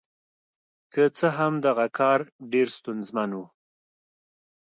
که څه هم دغه کار ډېر ستونزمن و.